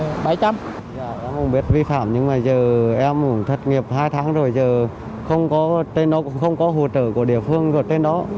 em không biết vi phạm nhưng mà giờ em cũng thất nghiệp hai tháng rồi giờ không có hỗ trợ của địa phương ở trên đó